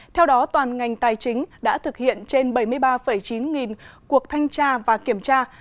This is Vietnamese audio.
theo đó toàn ngành tài chính đã thực hiện trên bảy mươi ba chín nghìn cuộc thanh tra và kiểm tra